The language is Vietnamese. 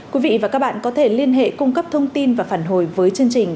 quý vị và các bạn có thể liên hệ cung cấp thông tin và phản hồi với chương trình